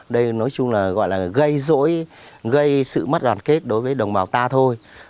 đây nói chung là gây dỗi gây sự mất đoàn kết đối với đồng bào ta thôi